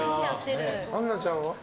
杏菜ちゃんは？